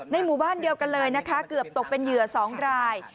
หมู่บ้านเดียวกันเลยนะคะเกือบตกเป็นเหยื่อ๒ราย